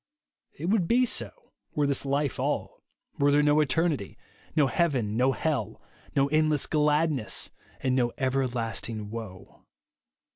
It would be so were this life all ; were there no eternity, no heaven, no hell, no eniless gladness, and no everlasting woe.